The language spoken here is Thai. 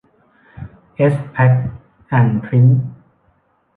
เอส แพ็ค แอนด์ พริ้นท์